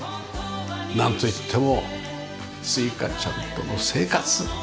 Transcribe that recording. なんといってもすいかちゃんとの生活。